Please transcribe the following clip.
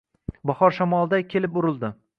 Bahor shamoliday kelib urildi.